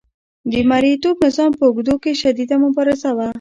د مرئیتوب نظام په اوږدو کې شدیده مبارزه وه.